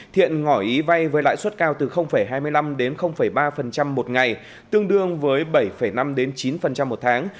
thiện ngỏ ý vay với lãi suất cao từ hai mươi năm đến ba một ngày tương đương với bảy năm đến chín một tháng